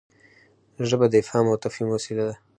ژبه د افهام او تفهیم وسیله ده.